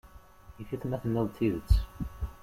Yif-it ma tenniḍ-d tidet.